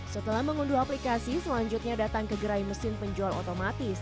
setelah mengunduh aplikasi selanjutnya datang ke gerai mesin penjual otomatis